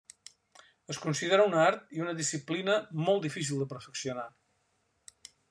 Es considera un art i una disciplina molt difícil de perfeccionar.